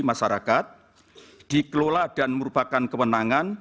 masyarakat dikelola dan merupakan kewenangan